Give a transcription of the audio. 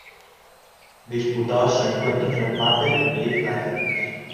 Disputaba sus encuentros en el Maple Leaf Gardens.